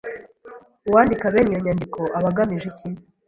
Uwandika bene iyi nyandiko aba agamije iki